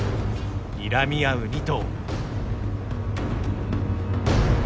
にらみ合う２頭。